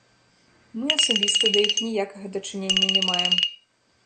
Мы асабіста да іх ніякага дачынення не маем.